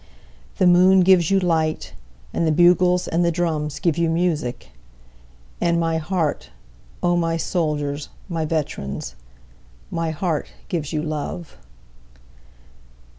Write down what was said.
9The moon gives you light, And the bugles and the drums give you music; And my heart, O my soldiers, my veterans, My heart gives you love.